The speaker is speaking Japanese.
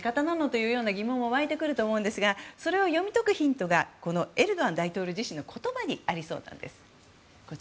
という疑問も湧いてきますがそれを読み解くヒントがこのエルドアン大統領自身の言葉にありそうなんです。